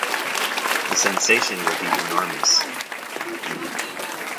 The sensation will be enormous.